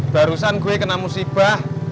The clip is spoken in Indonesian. barusan gue kena musibah